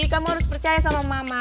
kamu harus percaya sama mama